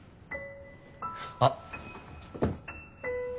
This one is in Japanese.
あっ。